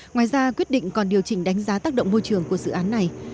ngoài ra quyết định còn điều chỉnh đánh giá tác động môi trường của dự án này